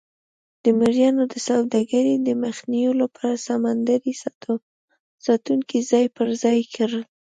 د مریانو د سوداګرۍ د مخنیوي لپاره سمندري ساتونکي ځای پر ځای کړل.